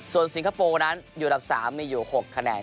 ส่วนสิงคโปร์นั้นอยู่อันดับ๓มีอยู่๖คะแนน